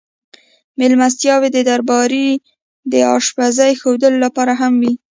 مېلمستیاوې د دربار د اشپزۍ ښودلو لپاره هم وې.